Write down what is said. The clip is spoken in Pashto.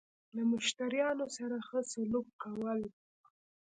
له مشتريانو سره خه سلوک کول